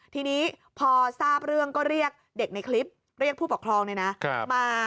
ทีนี้พอทราบเรื่องก็เรียกเด็กในคลิปเรียกผู้ปกครองมา